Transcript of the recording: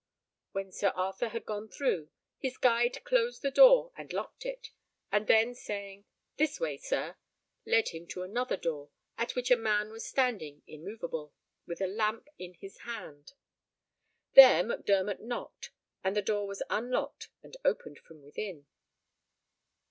When Sir Arthur had gone through, his guide closed the door and locked it, and then saying, "This way, sir," led him to another door, at which a man was standing immoveable, with a lamp in his hand. There Mac Dermot knocked, and the door was unlocked and opened from within.